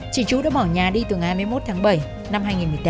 chị chú đã bỏ nhà đi từ ngày hai mươi một tháng bảy năm hai nghìn một mươi tám